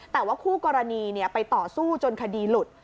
แต่ว่าคู่กรณีไปต่อสู้จนคดีหลุด